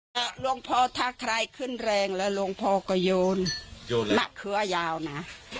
หลวงพอถ้าใครขึ้นแรงหลวงพอก็โยนมะเขือยาวนะ